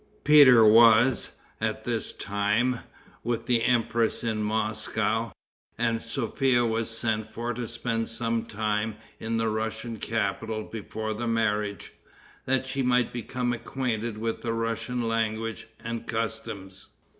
Peter was, at this time, with the empress in Moscow, and Sophia was sent for to spend some time in the Russian capital before the marriage, that she might become acquainted with the Russian language and customs.